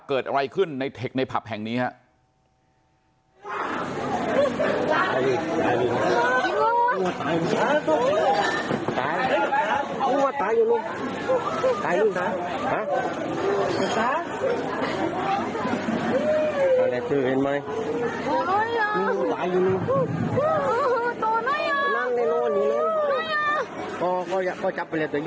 เกิดอะไรขึ้นในเทคในผับแห่งนี้ครับ